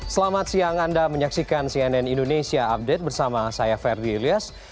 selamat siang anda menyaksikan cnn indonesia update bersama saya ferdi ilyas